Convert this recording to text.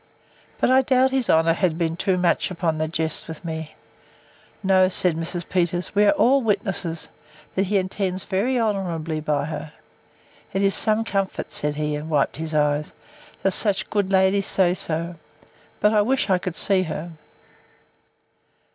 But I doubt his honour has been too much upon the jest with me. No, said Mrs. Peters, we are all witnesses, that he intends very honourably by her.—It is some comfort, said he, and wiped his eyes, that such good ladies say so—But I wish I could see her.